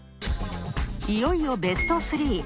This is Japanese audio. いよいよベスト３。